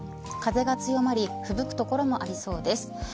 風が強まりふぶく所もありそうです。